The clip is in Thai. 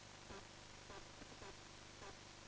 ใช่ค่ะก็ต้องฝึกยิ้มนิดนึง